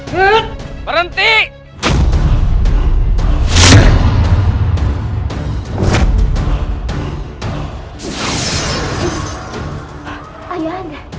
hai berhenti ayahnya